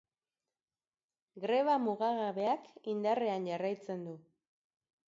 Greba mugagabeakindarrean jarraitzen du.